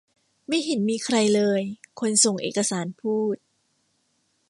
ไม่เห็นมีใครเลย คนส่งเอกสารพูด